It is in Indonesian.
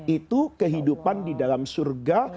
itu kehidupan di dalam surga